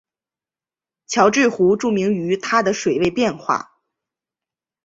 乔治湖著名于它的水位变化。